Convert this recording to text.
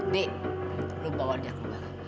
dek lo bawa dia keluar